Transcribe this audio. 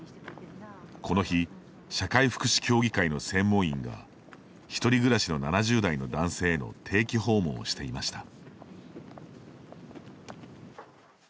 この日社会福祉協議会の専門員が独り暮らしの７０代の男性への定期訪問をしていました。